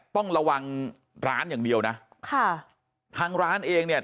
ต้องระวังร้านอย่างเดียวนะค่ะทางร้านเองเนี่ย